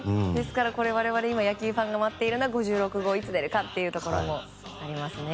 我々、野球ファンが待っているのは５６号がいつ出るかというところがありますね。